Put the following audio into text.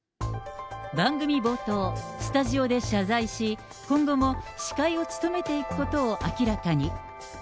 番組冒頭、スタジオで謝罪し、今後も司会を務めていくことを明らかに。